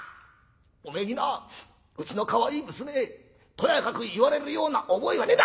お前になうちのかわいい娘とやかく言われるような覚えはねえんだ！